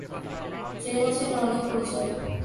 ، چہروں سے رونق اڑ جائے ،